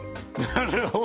なるほど？